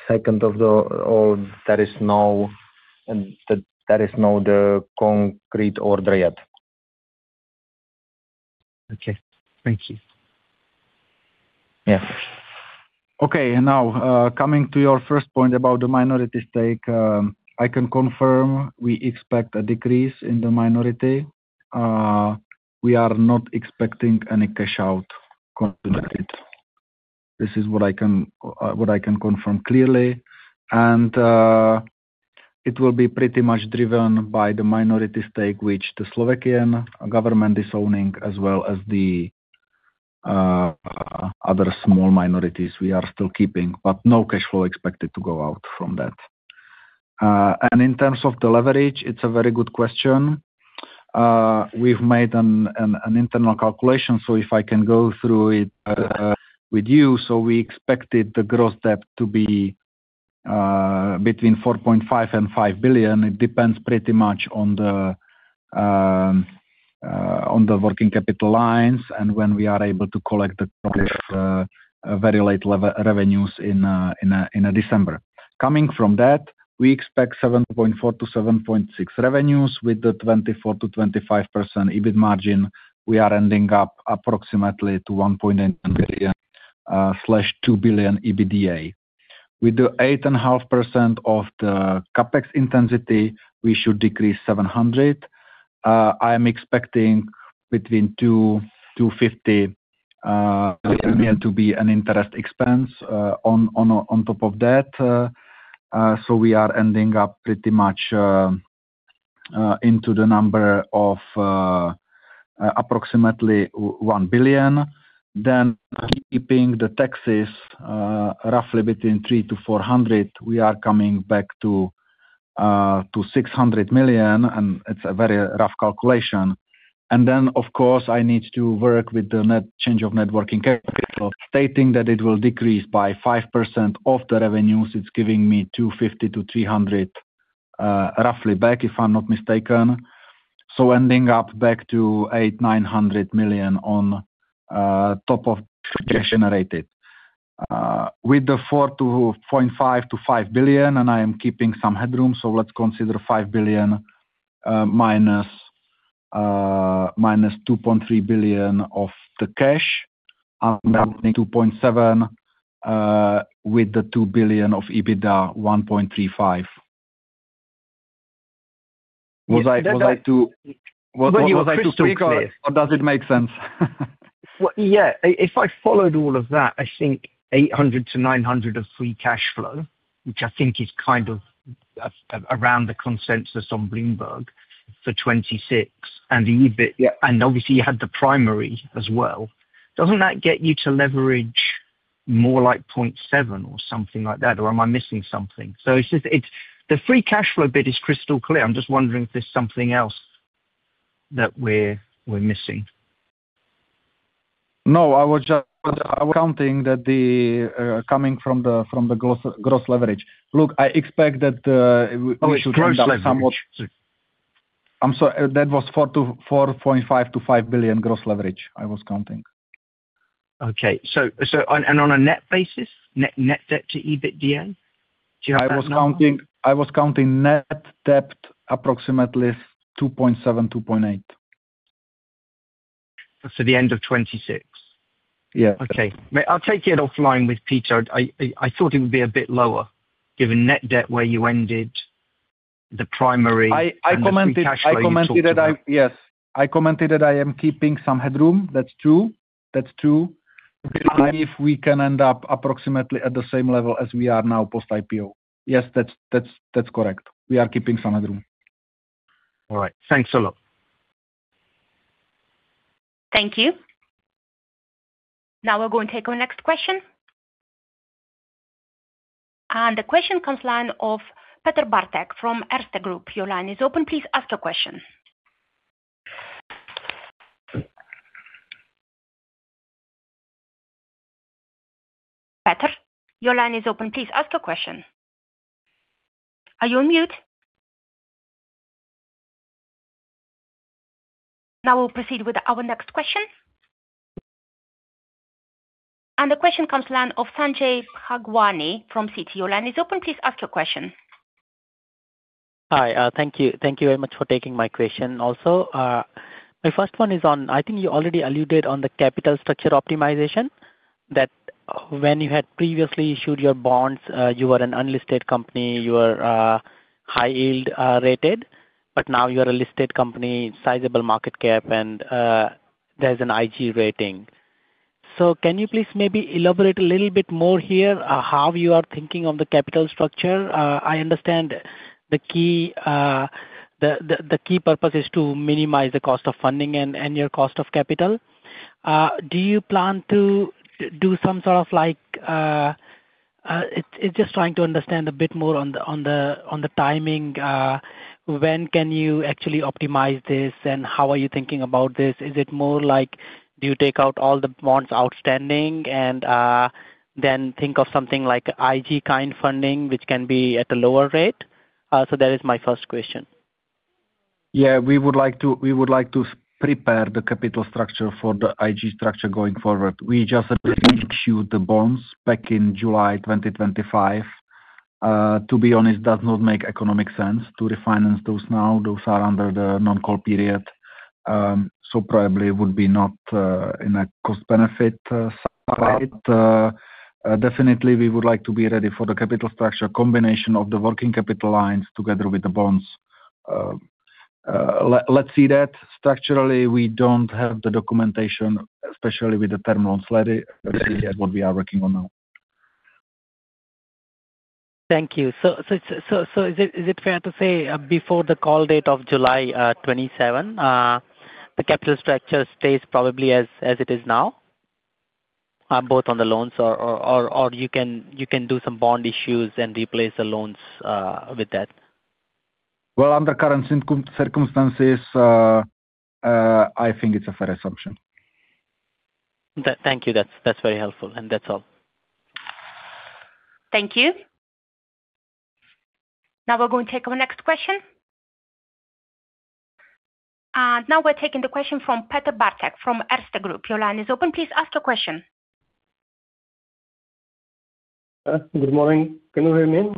Second of all, there is no concrete order yet. Okay. Thank you. Yes. Okay. Now, coming to your first point about the minority stake, I can confirm we expect a decrease in the minority. We are not expecting any cash out connected. This is what I can confirm clearly. It will be pretty much driven by the minority stake which the Slovak government is owning as well as the other small minorities we are still keeping, but no cash flow expected to go out from that. In terms of the leverage, it's a very good question. We've made an internal calculation, so if I can go through it with you. We expected the gross debt to be between 4.5 billion and 5 billion. It depends pretty much on the working capital lines and when we are able to collect the very late revenues in December. Coming from that, we expect 7.4 billion-7.6 billion revenues with the 24%-25% EBIT margin. We are ending up approximately to 1.8 billion-2 billion EBITDA. With the 8.5% of the CapEx intensity, we should decrease 700 million. I am expecting between 2 million-50 million to be an interest expense on top of that. We are ending up pretty much into the number of approximately 1 billion. Keeping the taxes roughly between 300 million-400 million, we are coming back to 600 million, and it's a very rough calculation. Of course, I need to work with the net change of net working capital, stating that it will decrease by 5% of the revenues. It's giving me 250 million-300 million roughly back, if I'm not mistaken. Ending up back to 800 million-900 million on top of cash generated. With the 4.5 billion-5 billion, and I am keeping some headroom, so let's consider 5 billion minus 2.3 billion of the cash, I'm getting 2.7 billion with the 2 billion of EBITDA 1.35. Was I too or does it make sense? Yeah. If I followed all of that, I think 800-900 of free cash flow, which I think is kind of around the consensus on Bloomberg for 2026 and EBIT. Yeah. Obviously you had the primary as well. Doesn't that get you to leverage more like 0.7 or something like that? Or am I missing something? It's just, it's the free cash flow bit is crystal clear. I'm just wondering if there's something else that we're missing. No, I was just counting that coming from the gross leverage. Look, I expect that, I'm sorry. That was 4 billion to 4.5 billion to 5 billion gross leverage I was counting. On a net basis, net debt to EBITDA? Do you have that number? I was counting net debt approximately 2.7-2.8. The end of 2026? Yeah. Okay. I'll take it offline with Peter. I thought it would be a bit lower given the net debt, the free cash flow you talked about. I commented that I am keeping some headroom. That's true. If we can end up approximately at the same level as we are now post IPO. Yes, that's correct. We are keeping some headroom. All right. Thanks a lot. Thank you. Now we're going to take our next question. The question comes from the line of Petr Bartek from Erste Group. Your line is open. Please ask your question. Petr, your line is open. Please ask your question. Are you on mute? Now we'll proceed with our next question. The question comes from the line of Sanjay Bhagwani from Citi. Your line is open. Please ask your question. Hi. Thank you very much for taking my question also. My first one is on. I think you already alluded to the capital structure optimization, that when you had previously issued your bonds, you were an unlisted company, high yield rated, but now you are a listed company, sizable market cap, and there's an IG rating. So can you please elaborate a little bit more here how you are thinking of the capital structure? I understand the key purpose is to minimize the cost of funding and your cost of capital. Do you plan to do some sort of like it's just trying to understand a bit more on the timing. When can you actually optimize this, and how are you thinking about this? Is it more like, do you take out all the bonds outstanding and, then think of something like IG kind funding, which can be at a lower rate? That is my first question. Yeah. We would like to prepare the capital structure for the 4iG structure going forward. We just issue the bonds back in July 2025. To be honest, it does not make economic sense to refinance those now. Those are under the non-call period, so probably would be not in a cost benefit side. Definitely we would like to be ready for the capital structure combination of the working capital lines together with the bonds. Let's see that. Structurally, we don't have the documentation, especially with the term loans ready. That's what we are working on now. Thank you. Is it fair to say, before the call date of July 27, the capital structure stays probably as it is now, both on the loans or you can do some bond issues and replace the loans with that? Well, under current circumstances, I think it's a fair assumption. Thank you. That's very helpful. That's all. Thank you. Now we're going to take our next question. Now we're taking the question from Petr Bartek from Erste Group. Your line is open. Please ask your question. Good morning. Can you hear me?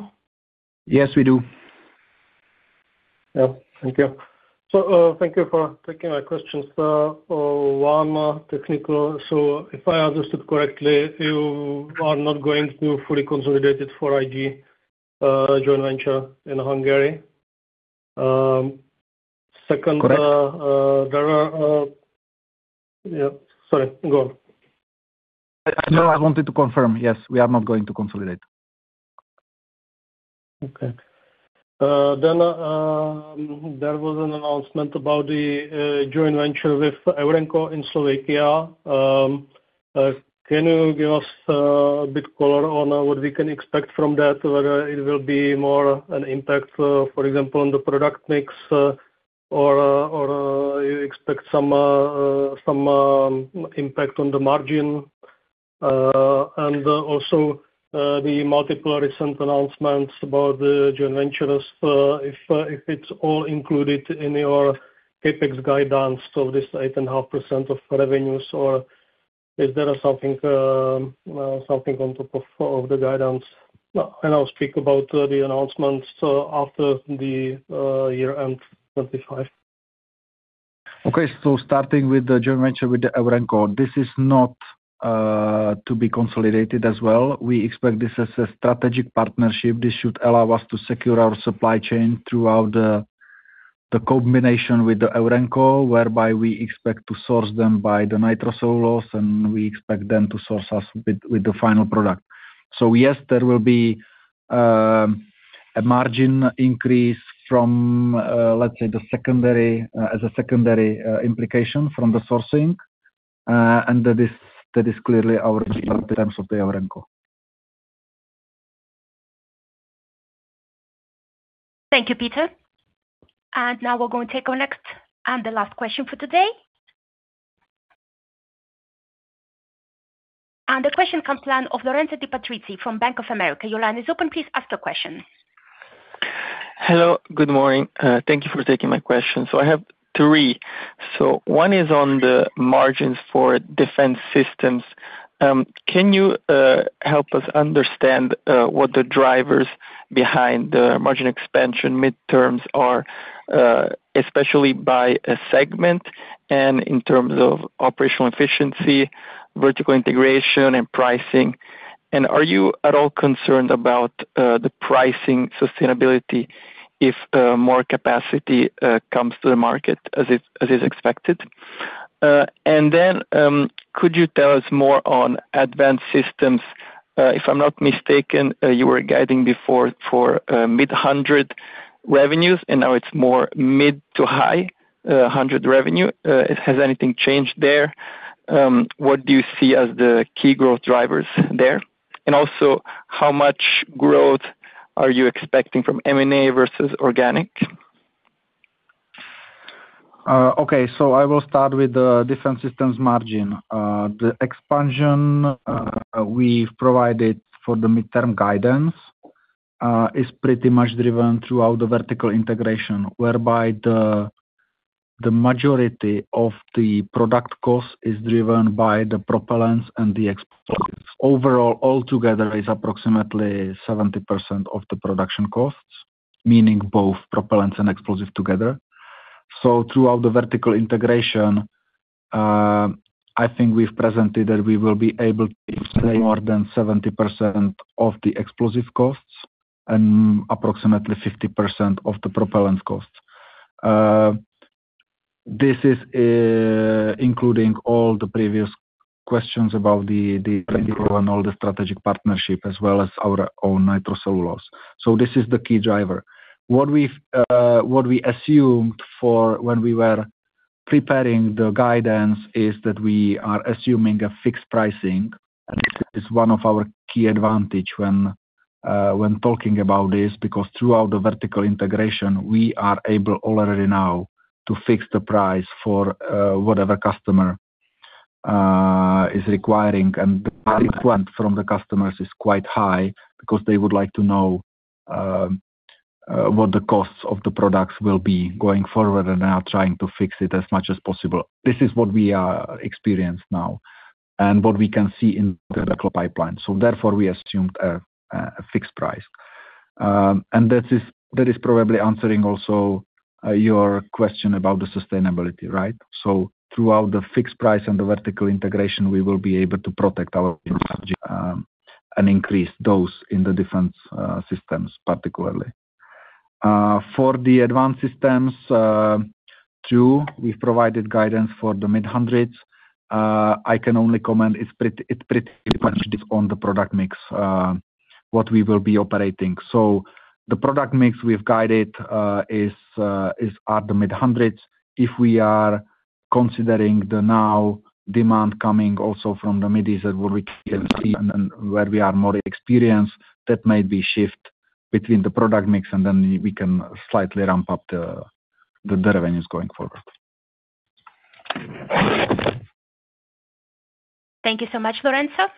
Yes, we do. Yeah. Thank you. Thank you for taking my questions. One, technical. If I understood correctly, you are not going to fully consolidate it for 4iG joint venture in Hungary. Second- Correct. There are... Yeah. Sorry, go on. No, I wanted to confirm. Yes, we are not going to consolidate. Okay. There was an announcement about the joint venture with Eurenco in Slovakia. Can you give us a bit color on what we can expect from that, whether it will be more an impact, for example, on the product mix, or you expect some impact on the margin? Also, the multiple recent announcements about the joint ventures, if it's all included in your CapEx guidance of this 8.5% of revenues or is there something on top of the guidance? Well, I'll speak about the announcements after the year-end 2025. Okay. Starting with the joint venture with Eurenco, this is not to be consolidated as well. We expect this as a strategic partnership. This should allow us to secure our supply chain throughout the combination with Eurenco, whereby we expect to source nitrocellulose from them, and we expect them to source us with the final product. Yes, there will be a margin increase from, let's say, as a secondary implication from the sourcing, and that is clearly our view in terms of Eurenco. Thank you, Peter. Now we're going to take our next and the last question for today. The question comes to line of Lorenzo Di Patrizi from Bank of America. Your line is open. Please ask your question. Hello. Good morning. Thank you for taking my question. I have three. One is on the margins for Defence Systems. Can you help us understand what the drivers behind the margin expansion mid-teens are, especially by segment and in terms of operational efficiency, vertical integration and pricing? Are you at all concerned about the pricing sustainability if more capacity comes to the market as is expected? And then, could you tell us more on Advanced Systems? If I'm not mistaken, you were guiding before for mid-hundred revenues, and now it's more mid- to high-hundred revenue. Has anything changed there? What do you see as the key growth drivers there? Also, how much growth are you expecting from M&A versus organic? I will start with the defense systems margin. The expansion we've provided for the mid-term guidance is pretty much driven throughout the vertical integration, whereby the majority of the product cost is driven by the propellants and the explosives. Overall, all together is approximately 70% of the production costs, meaning both propellants and explosives together. Throughout the vertical integration, I think we've presented that we will be able to save more than 70% of the explosives costs and approximately 50% of the propellants costs. This is including all the previous questions about the and all the strategic partnership, as well as our own nitrocellulose. This is the key driver. What we assumed for when we were preparing the guidance is that we are assuming a fixed pricing. This is one of our key advantage when talking about this, because throughout the vertical integration, we are able already now to fix the price for whatever customer is requiring. The requirement from the customers is quite high because they would like to know what the costs of the products will be going forward, and are trying to fix it as much as possible. This is what we are experienced now and what we can see in the technical pipeline. Therefore, we assumed a fixed price. And that is probably answering also your question about the sustainability, right? Throughout the fixed price and the vertical integration, we will be able to protect our and increase those in the defense systems, particularly. For the Advanced Systems, too, we've provided guidance for the mid-hundreds. I can only comment. It's pretty much on the product mix what we will be operating. The product mix we've guided is at the mid-hundreds. If we are considering the new demand coming also from the Middle East that we can see and where we are more experienced, that might be a shift between the product mix and then we can slightly ramp up the revenues going forward. Thank you so much, Lorenzo.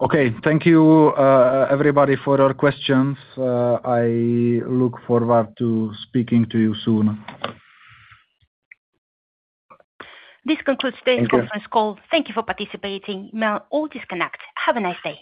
Okay. Thank you, everybody for your questions. I look forward to speaking to you soon. This concludes today's conference call. Thank you for participating. You may all disconnect. Have a nice day.